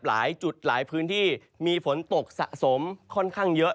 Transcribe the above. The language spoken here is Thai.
หลายจุดหลายพื้นที่มีฝนตกสะสมค่อนข้างเยอะ